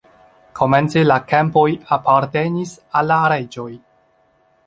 Komence la kampoj apartenis al la reĝoj.